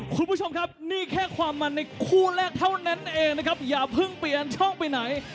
คุณผู้ชมครับนี่แค่ความมันในคู่แรกเท่านั้นเองนะครับอย่าเพิ่งเปลี่ยนช่องไปไหน